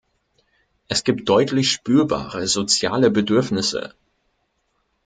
Es gibt deutlich spürbare soziale Bedürfnisse.